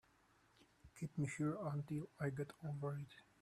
Keep me here until I get over it.